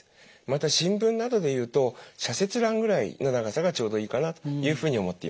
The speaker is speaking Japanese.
また新聞などで言うと社説欄ぐらいの長さがちょうどいいかなというふうに思っています。